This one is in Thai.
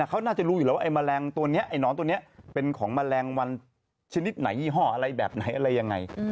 เขาน่าจะรู้อยู่แล้วว่าไอแมลงตัวนี้ไอ้หนอนตัวนี้เป็นของแมลงวันชนิดไหนยี่ห้ออะไรแบบไหนอะไรยังไง